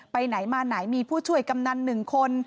ไปไหนมาไหนมีผู้ช่วยกำนัน๑คน